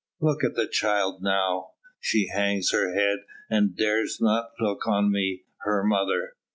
Look at the child now! She hangs her head and dares not look on me, her mother.